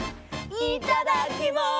いただきます！